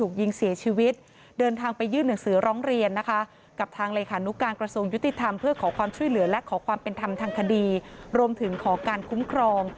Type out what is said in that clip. ก็เดี๋ยวเจอกัน